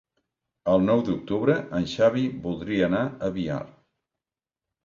El nou d'octubre en Xavi voldria anar a Biar.